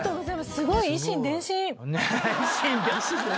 すごい！